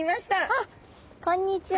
あこんにちは。